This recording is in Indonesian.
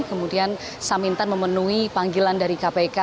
kemudian samintan memenuhi panggilan dari kpk